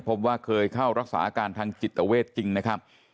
พบว่าเคยเข้ารักษาอาการทางจิตเวทจริงนะครับ